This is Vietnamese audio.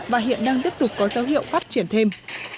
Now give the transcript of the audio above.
và hiện đang tiếp tục có dấu hiệu phát triển thêm